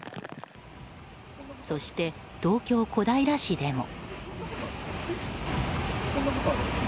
そして、東京・小平市でも。